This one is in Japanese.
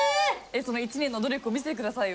その１年の努力を見せて下さいよ。